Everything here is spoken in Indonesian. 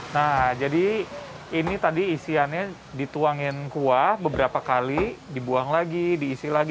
nah jadi ini tadi isiannya dituangin kuah beberapa kali dibuang lagi diisi lagi